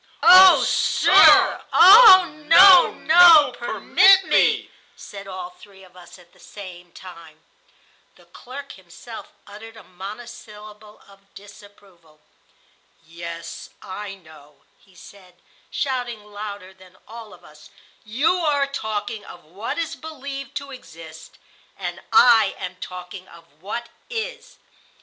..." "Oh, sir. Oh, no, no, permit me," said all three of us at the same time. The clerk himself uttered a monosyllable of disapproval. "Yes, I know," he said, shouting louder than all of us; "you are talking of what is believed to exist, and I am talking of what is.